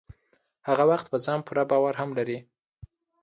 هغه وخت په ځان پوره باور هم لرئ.